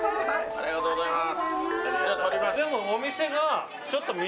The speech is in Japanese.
ありがとうございます。